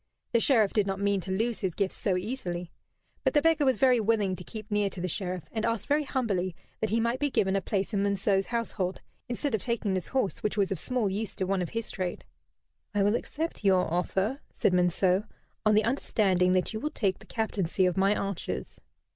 The Sheriff did not mean to lose his gifts so easily. But the beggar was very willing to keep near to the Sheriff, and asked very humbly that he might be given a place in Monceux's household, instead of taking this horse, which was of small use to one of his trade. "I will accept your offer," said Monceux, "on the understanding that you will take the captaincy of my archers."